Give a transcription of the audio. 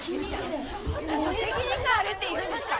何の責任があるっていうんですか！？